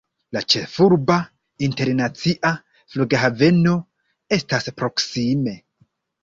La ĉefurba internacia flughaveno estas proksime.